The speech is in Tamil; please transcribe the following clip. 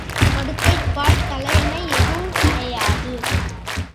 படுக்கை, பாய், தலையணை எதுவும் கிடையாது.